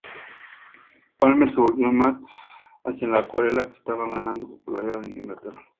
Palmer se volvió más hacia la acuarela, que estaba ganando popularidad en Inglaterra.